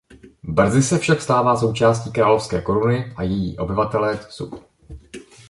Brzy se však stává součástí královské koruny a její obyvatelé byli tudíž svobodní.